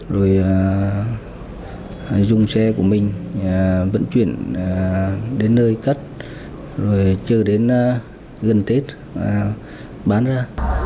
rồi dùng xe của mình vận chuyển đến nơi cất rồi chưa đến gần tết bán ra